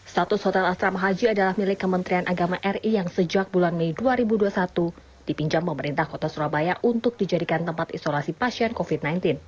status hotel asrama haji adalah milik kementerian agama ri yang sejak bulan mei dua ribu dua puluh satu dipinjam pemerintah kota surabaya untuk dijadikan tempat isolasi pasien covid sembilan belas